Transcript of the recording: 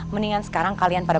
mendingan sekarang kalian berdua